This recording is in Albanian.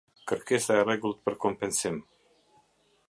Kërkesa e rregullt për kompensim.